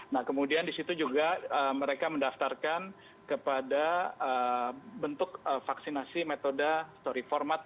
nah kemudian di situ juga mereka mendaftarkan kepada bentuk vaksinasi metode story format